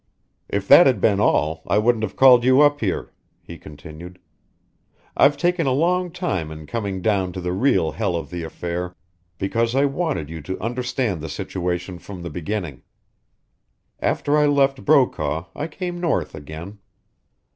"If that had been all, I wouldn't have called you up here," he continued. "I've taken a long time in coming down to the real hell of the affair, because I wanted you to understand the situation from the beginning. After I left Brokaw I came north again.